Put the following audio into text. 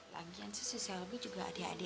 lagian selalu juga adik adik